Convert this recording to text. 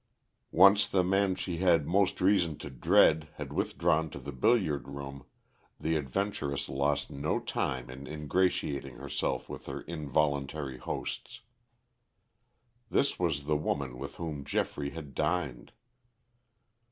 Once the man she had most reason to dread had withdrawn to the billiard room, the adventuress lost no time in ingratiating herself with her involuntary hosts. This was the woman with whom Geoffrey had dined.